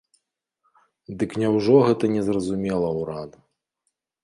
Дык няўжо гэта не зразумела ўраду?